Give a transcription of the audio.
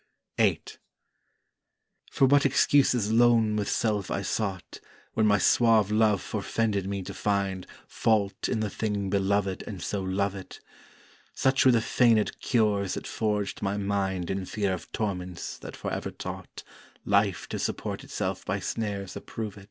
VIII For what excuses lone with self I sought, When my suave Love forfended me to find Fault in the Thing belovèd and so lovèd? Such were the feignèd cures that forged my mind In fear of torments that for ever taught Life to support itself by snares approvèd.